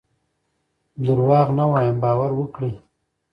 دروغ نه وایم باور وکړئ.